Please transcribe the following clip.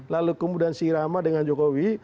lalu kemudian si rama dengan jokowi